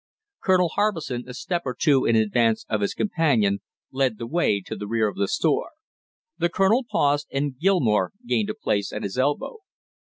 Colonel Harbison, a step or two in advance of his companion, led the way to the rear of the store. The colonel paused, and Gilmore gained a place at his elbow.